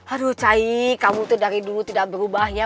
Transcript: aduh cai kamu tuh dari dulu tidak berubah ya